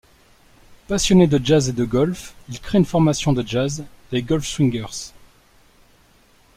Passionné de jazz et de golf, il crée une formation de jazz, Les Golfswingers.